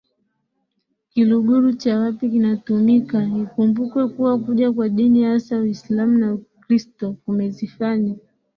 Kiluguru cha wapi kinatumikaIkumbukwe kuwa kuja kwa Dini hasa Uislamu na Ukristo kumezifanya